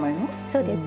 そうです。